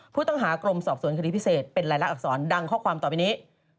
ผู้ต้องหากรมสอบสวนคดีพิเศษเป็นรายละอักษรดังข้อความต่อไปนี้